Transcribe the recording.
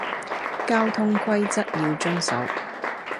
交通規則要遵守